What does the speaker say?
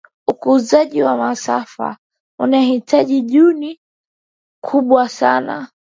ukuzaji wa masafa unahitaji juhudi kubwa sana